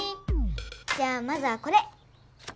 じゃあまずはこれ！